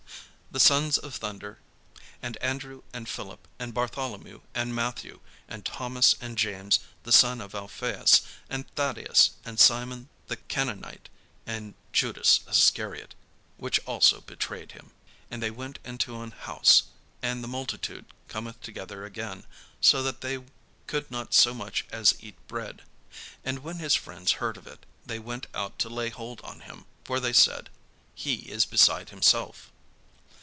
The sons of thunder: and Andrew, and Philip, and Bartholomew, and Matthew, and Thomas, and James the son of Alphaeus, and Thaddaeus, and Simon the Canaanite, and Judas Iscariot, which also betrayed him. And they went into an house. And the multitude cometh together again, so that they could not so much as eat bread. And when his friends heard of it, they went out to lay hold on him: for they said: "He is beside himself."